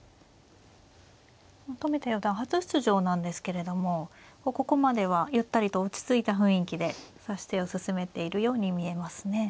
冨田四段初出場なんですけれどもここまではゆったりと落ち着いた雰囲気で指し手を進めているように見えますね。